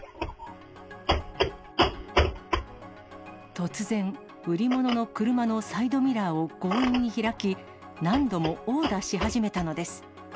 突然、売り物の車のサイドミラーを強引に開き、何度も殴打し始めたのです。